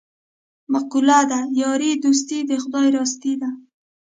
مقوله ده: یاري دوستي د خدای راستي ده.